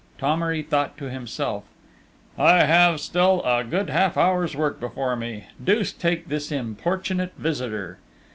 Thomery thought to himself: "I have still a good half hour's work before me ... deuce take this importunate visitor!"